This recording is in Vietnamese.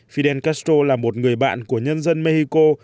fidel castro là một người bạn của nhân dân mexico